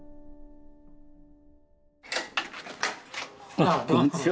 あっこんにちは。